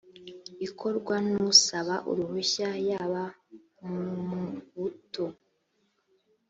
ikorwa n usaba uruhushya yaba mumubutu